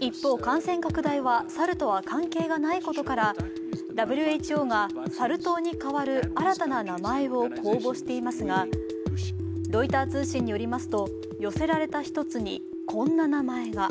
一方感染拡大は猿とは関係がないことから、ＷＨＯがサル痘に代わる新たな名前を公募していますがロイター通信によりますと寄せられた一つに、こんな名前が。